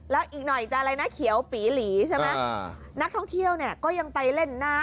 แล้วอีกหน่อยจะอะไรนะเขียวปีหลีใช่ไหมนักท่องเที่ยวเนี่ยก็ยังไปเล่นน้ำ